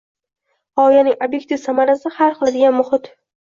g‘oyaning ob’ektiv samarasi hal qiladigan muhit